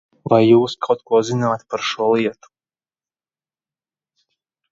Vai jūs kaut ko zināt par šo lietu?